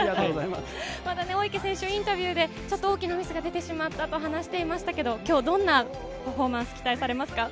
大池選手、インタビューでちょっと大きなミスが出てしまったと話していましたが、今日どんなパフォーマンス期待されますか。